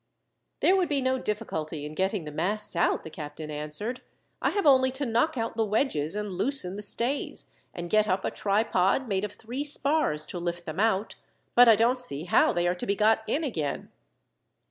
"There would be no difficulty in getting the masts out," the captain answered. "I have only to knock out the wedges, and loosen the stays, and get up a tripod made of three spars to lift them out; but I don't see how they are to be got in again."